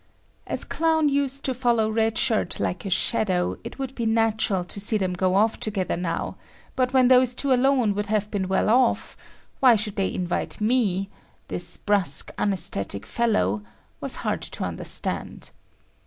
As Clown used to follow Red Shirt like a shadow, it would be natural to see them go off together now, but when those two alone would have been well off, why should they invite me,—this brusque, unaesthetic fellow,—was hard to understand.